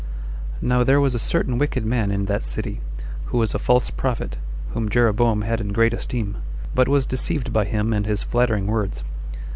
1. Now there was a certain wicked man in that city, who was a false prophet, whom Jeroboam had in great esteem, but was deceived by him and his flattering words.